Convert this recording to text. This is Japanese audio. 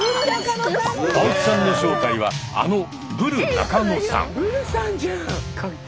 青木さんの正体はあのブル中野さん。